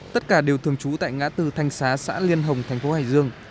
tất cả đều thường trú tại ngã tư thanh xá xã liên hồng tp hải dương